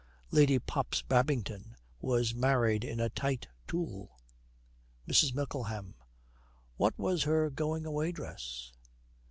Lady Pops Babington was married in a tight tulle.' MRS. MICKLEHAM. 'What was her going away dress?'